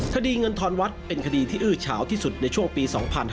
คดีเงินทรวัฒน์เป็นคดีที่อืดฉาวที่สุดในช่วงปี๒๕๖๐